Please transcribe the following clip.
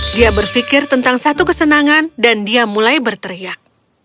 dia berpikir tentang satu kesenangan dan dia mulai berteriak